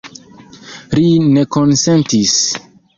Li ne konsentis.